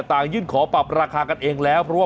ต่างยื่นขอปรับราคากันเองแล้ว